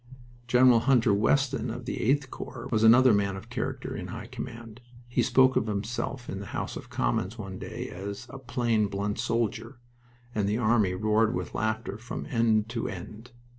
Gen. Hunter Weston, of the 8th Corps, was another man of character in high command. He spoke of himself in the House of Commons one day as "a plain, blunt soldier," and the army roared with laughter from end to end.